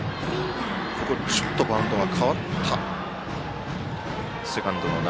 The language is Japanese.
ちょっとバウンドが変わったところでした。